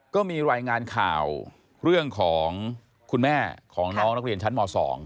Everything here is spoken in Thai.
ก็มีรายงานข่าวเรื่องของคุณแม่ของน้องนักเรียนชั้นม๒